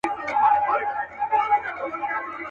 پرون ورور سبا تربور وي بیا دښمن سي.